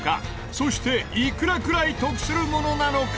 そして、いくらくらい得するものなのか？